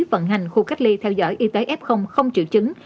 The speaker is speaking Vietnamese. vận hành khu cách ly theo dõi y tế f không triệu chứng